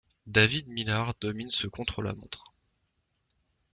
David Millar domine ce contre-la-montre.